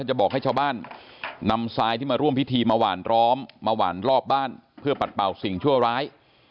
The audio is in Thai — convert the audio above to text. จะบอกให้ชาวบ้านนำทรายที่มาร่วมพิธีมาหวานล้อมมาหวานรอบบ้านเพื่อปัดเป่าสิ่งชั่วร้าย